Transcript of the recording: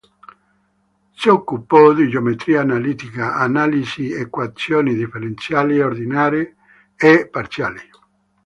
Si occupò di geometria analitica, analisi, equazioni differenziali ordinarie e parziali.